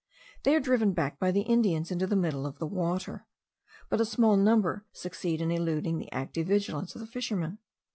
They are driven back by the Indians into the middle of the water; but a small number succeed in eluding the active vigilance of the fishermen.